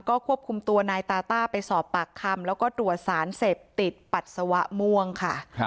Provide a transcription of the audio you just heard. ก็ควบคุมตัวนายตาต้าไปสอบปากคำแล้วก็ตรวจสารเสพติดปัสสาวะม่วงค่ะ